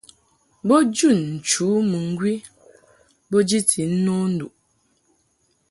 Bo jun nchǔ mɨŋgwi bo jiti no nduʼ.